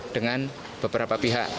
dengan beberapa pihak